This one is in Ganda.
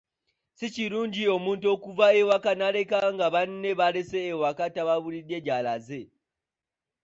Si kirungi omuntu okuva ewaka n’aleka nga banne b'alese eka tababuulidde gy’alaze.